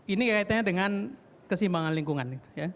ini kaitannya dengan kesimbangan lingkungan